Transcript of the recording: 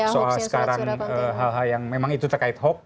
soal sekarang hal hal yang memang itu terkait hoax